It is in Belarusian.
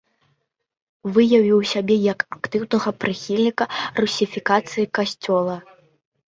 Выявіў сябе як актыўнага прыхільніка русіфікацыі касцёла.